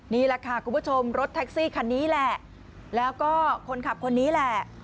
นี่แหละค่ะคุณผู้ชมรถแท็กซี่คันนี้แหละแล้วก็คนขับคนนี้แหละ